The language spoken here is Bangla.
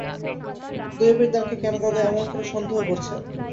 দৈবের দানকে কেন দাদা এমন করে সন্দেহ করছেন?